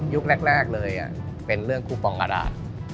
แรกเลยเป็นเรื่องคูปองกระดาษ